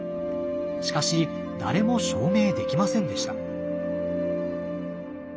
しかし誰も証明できませんでした。